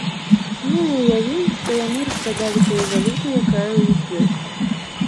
Ну і ўявім, што яны распрадалі тую валюту, якая ў іх ёсць.